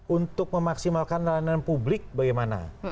untuk memaksimalkan layanan publik bagaimana